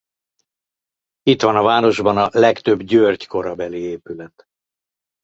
Itt van a városban a legtöbb György-korabeli épület.